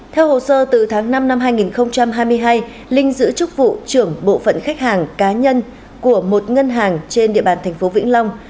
theo hồ sơ từ tháng năm năm hai nghìn hai mươi hai linh giữ chúc vụ trưởng bộ phận khách hàng cá nhân của một ngân hàng trên địa bàn tp vĩnh long